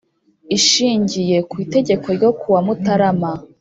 Ishingiye ku Itegeko ryo ku wa mutarama